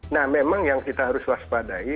nah memang yang kita harus waspadai